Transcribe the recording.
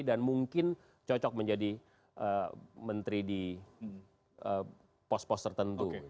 dan mungkin cocok menjadi menteri di pos pos tertentu